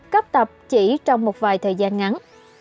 cấp tập chỉ trong một vài thời gian ngắn